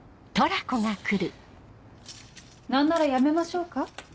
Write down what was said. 何ならやめましょうか？